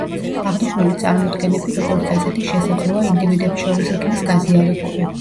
აღნიშნული წარმოდგენები, როგორც ასეთი, შესაძლოა ინდივიდებს შორის იქნეს გაზიარებული.